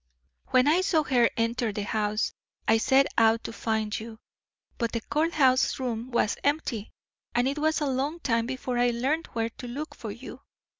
"When I saw her enter the house, I set out to find you, but the court house room was empty, and it was a long time before I learned where to look for you.